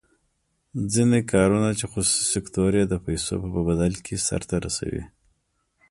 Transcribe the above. ځینې کارونه چې خصوصي سکتور یې د پیسو په بدل کې سر ته رسوي.